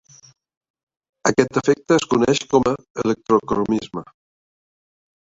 Aquest efecte es coneix com a electrocromisme.